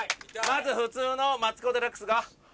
まず普通のマツコ・デラックスが。